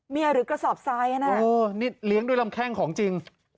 หรือกระสอบทรายนี่เลี้ยงด้วยลำแข้งของจริง